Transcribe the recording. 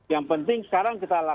yang penting sekarang kita lakukan